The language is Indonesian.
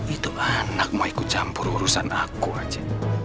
itu anak mau ikut campur urusan aku aja